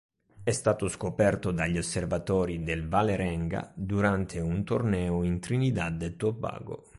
È stato scoperto dagli osservatori del Vålerenga durante un torneo in Trinidad e Tobago.